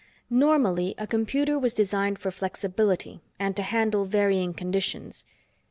Normally, a computer was designed for flexibility and to handle varying conditions.